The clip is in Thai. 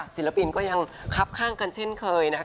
ศิลปินก็ยังคับข้างกันเช่นเคยนะคะ